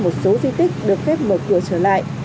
một số di tích được phép mở cửa trở lại